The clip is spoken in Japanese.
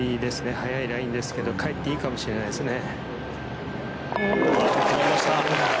速いラインですけどかえっていいかもしれないですね。